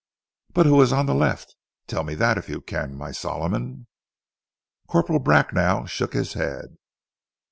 "But who was on the left? Tell me that if you can, my Solomon." Corporal Bracknell shook his head.